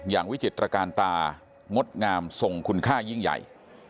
วิจิตรการดงามทรงคุณค่ายิ่งใหญ่